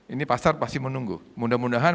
ini pasar pasti menunggu mudah mudahan